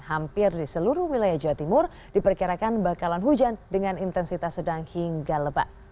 hampir di seluruh wilayah jawa timur diperkirakan bakalan hujan dengan intensitas sedang hingga lebat